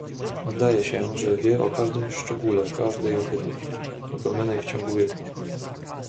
"Zdaje się, że wie o każdym szczególe każdej ohydy, popełnionej w ciągu wieku."